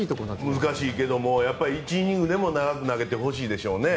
難しいけど１イニングでも長く投げてほしいでしょうね。